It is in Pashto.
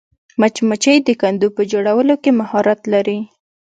مچمچۍ د کندو په جوړولو کې مهارت لري